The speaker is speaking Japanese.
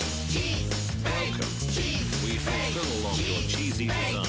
チーズ！